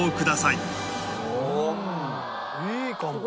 いいかも。